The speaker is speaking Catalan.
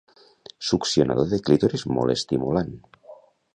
Succionador de clítoris molt estimulant.